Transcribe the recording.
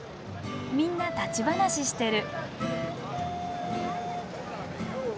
みんな立ち話してる。